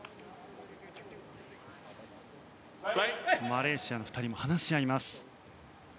マレーシアの２人も話し合います。